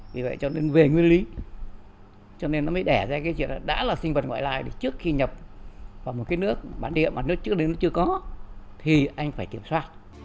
vì vậy cho nên về nguyên lý cho nên nó mới đẻ ra cái chuyện là đã là sinh vật ngoại lai thì trước khi nhập vào một cái nước bản địa mà nước trước đến nó chưa có thì anh phải kiểm soát